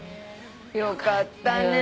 よかったね。